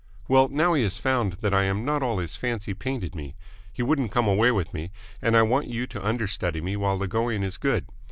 Well, now he has found that I am not all his fancy painted me, he wouldn't come away with me; and I want you to understudy me while the going is good.